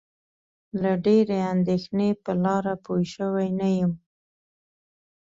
له ډېرې اندېښنې په لاره پوی شوی نه یم.